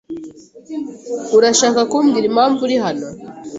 Urashaka kumbwira impamvu uri hano?